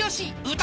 歌